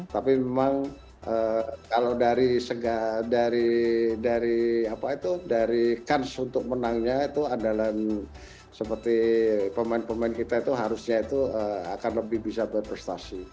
tapi memang kalau dari kans untuk menangnya itu andalan seperti pemain pemain kita itu harusnya itu akan lebih bisa berprestasi